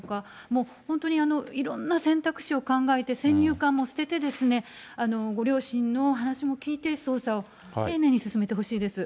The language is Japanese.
もう本当にいろんな選択肢を考えて、先入観も捨てて、ご両親の話も聞いて、捜査を丁寧に進めてほしいです。